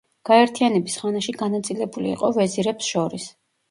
გაერთიანების ხანაში განაწილებული იყო ვეზირებს შორის.